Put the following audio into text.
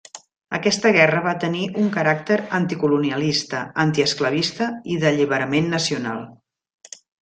Aquesta guerra va tenir un caràcter anticolonialista, antiesclavista i d'alliberament nacional.